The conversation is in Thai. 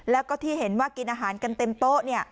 แล้วก็ที่เห็นว่ากินอาหารกันเต็มโต๊ะ